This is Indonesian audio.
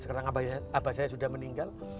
sekarang abah saya sudah meninggal